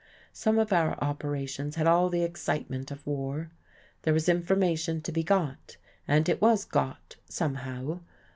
Some of our operations had all the excitement of war. There was information to be got, and it was got somehow.